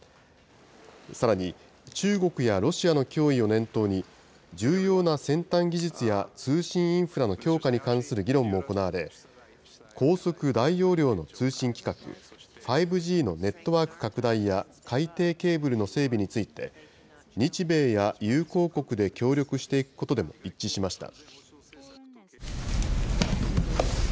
さらに、中国やロシアの脅威を念頭に、重要な先端技術や通信インフラの強化に関する議論も行われ、高速・大容量の通信規格、５Ｇのネットワーク拡大や、海底ケーブルの整備について、日米や友好国で協力していくことでも一致しました。